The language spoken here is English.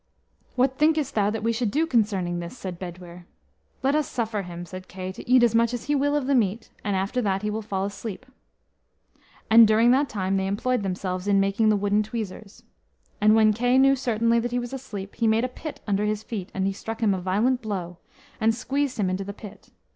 "What thinkest thou that we should do concerning this?" said Bedwyr. "Let us suffer him." said Kay, "to eat as much as he will of the meat, and after that he will fall asleep." And during that time they employed themselves in making the wooden tweezers. And when Kay knew certainly that he was asleep, he made a pit under his feet, and he struck him a violent blow, and squeezed him into the pit.